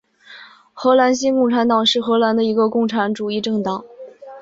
荷兰新共产党是荷兰的一个共产主义政党。